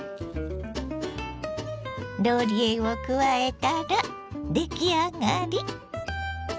ローリエを加えたら出来上がり。